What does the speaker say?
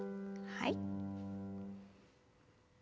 はい。